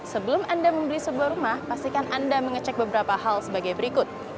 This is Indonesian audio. sebelum anda membeli sebuah rumah pastikan anda mengecek beberapa hal sebagai berikut